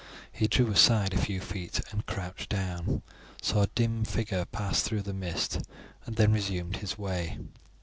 He drew aside a few feet and crouched down, saw a dim figure pass through the mist, and then resumed his way.